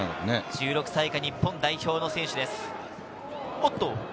１６歳以下日本代表の選手です。